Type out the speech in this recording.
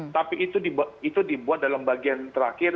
tapi itu dibuat dalam bagian terakhir